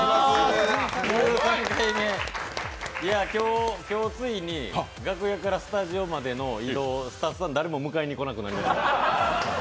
１３回目、今日ついに楽屋からスタジオまでの移動、スタッフさん、誰も迎えにこなくなりました。